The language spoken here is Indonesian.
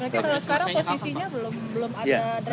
berarti kalau sekarang posisinya belum ada derajatnya itu ya pak